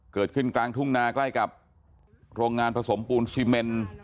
เกิดขึ้นกลางทุ่งนาใกล้กับโรงงานผสมปูนซีเมน